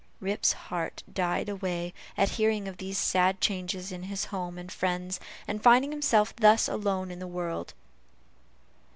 Rip's heart died away, at hearing of these sad changes in his home and friends, and finding himself thus alone in the world.